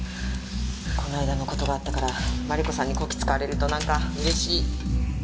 この間の事があったからマリコさんにこき使われるとなんか嬉しい。